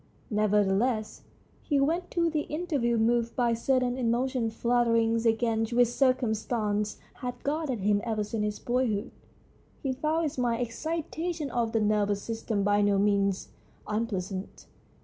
Nevertheless, he went to the interview 126 THE STORY OF A BOOK moved by certain emotional flutterings against which circumstance had guarded him ever since his boyhood. He found this mild excitation of the nervous system by no means unpleasant.